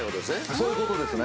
そういうことですね。